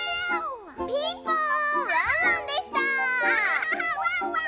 ピンポーン！